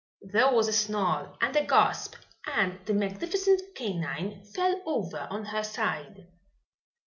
There was a snarl and a gasp and the magnificent canine fell over on her side.